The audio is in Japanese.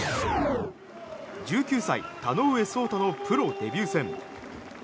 １９歳、田上奏大のプロデビュー戦。